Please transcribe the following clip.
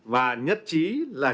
và nhất trí là